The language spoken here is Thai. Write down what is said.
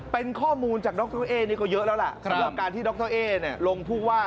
เป็นข้อมูลจากดรเอ๊นี่ก็เยอะแล้วล่ะสำหรับการที่ดรเอ๊ลงผู้ว่า